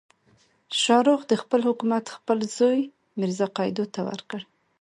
شاهرخ د بلخ حکومت خپل زوی میرزا قیدو ته ورکړ.